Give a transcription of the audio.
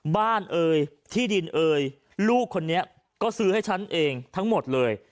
เอ่ยที่ดินเอ่ยลูกคนนี้ก็ซื้อให้ฉันเองทั้งหมดเลย